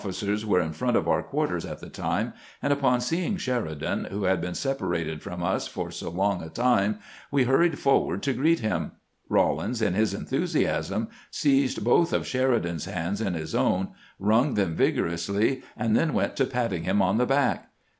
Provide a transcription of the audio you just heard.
eers were in front of our quarters at the time, and upon seeing Sheridan, who had been separated from us for so long a time, we hurried forward to greet him. Eawlins, in his enthusiasm, seized both of Sheridan's hands in his own, wrung them vigorously, and then went to patting him on the back.